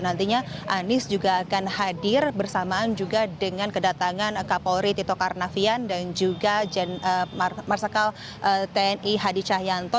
nantinya anies juga akan hadir bersamaan juga dengan kedatangan kapolri tito karnavian dan juga marsikal tni hadi cahyanto